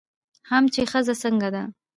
هم چې ښځه څنګه ده